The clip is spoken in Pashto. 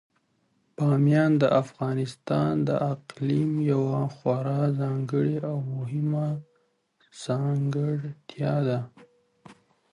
بامیان د افغانستان د اقلیم یوه خورا ځانګړې او مهمه ځانګړتیا ده.